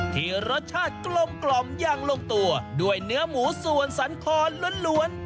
ที่รสชาติกลมอย่างลงตัวด้วยเนื้อหมูส่วนสันคอลล้วน